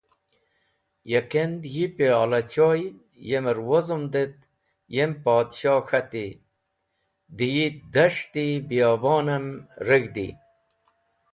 Ya kend Yi piyola choy yemer wozomd et yem [Podsho] k̃hati: Dẽ yi das̃ht-e biyobonem reg̃hdi.